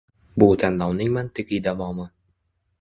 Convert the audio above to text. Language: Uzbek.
Bu tanlovning mantiqiy davomi.